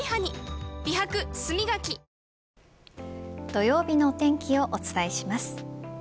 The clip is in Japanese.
土曜日のお天気をお伝えします。